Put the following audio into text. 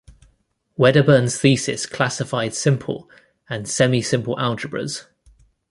Wedderburn's thesis classified simple and semisimple algebras.